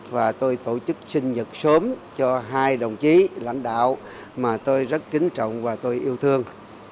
và tôi tổ chức sinh nhật sớm cho hai đồng chí lãnh đạo mà tôi rất kính trọng và tôi yêu thương